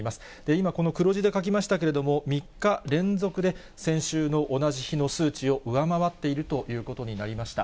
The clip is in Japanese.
今、この黒字で書きましたけれども、３日連続で、先週の同じ日の数値を上回っているということになりました。